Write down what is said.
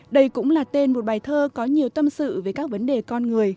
đây cũng là tên một bài thơ có nhiều tâm sự về các vấn đề con người